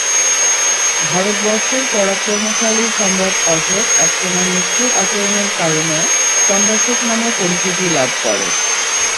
ভারতবর্ষের পরাক্রমশালী সম্রাট অশোক একসময় নিষ্ঠুর আচরণের কারণে চণ্ডাশোক নামে পরিচিতি লাভ করে।